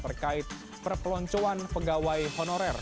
terkait perpeloncuan pegawai honorer